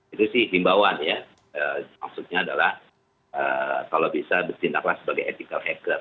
itu sih himbauan ya maksudnya adalah kalau bisa bertindaklah sebagai ethical hacker